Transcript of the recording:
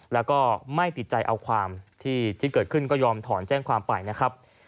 แล้วก็ไม่ติดใจเอาความที่เกิดขึ้นก็ยอมถอนแจ้งความไปนะครับ